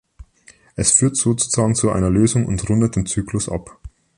Es führt sozusagen zu einer Lösung und rundet den Zyklus ab.